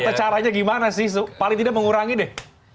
atau caranya gimana sih paling tidak mengurangi deh